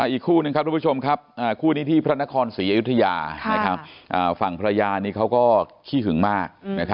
อีกคู่หนึ่งครับทุกผู้ชมครับคู่นี้ที่พระนครศรีอยุธยาฝั่งภรรยานี้เขาก็ขี้หึงมาก